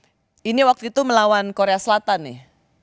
ini waktu itu melawan korea selatan nih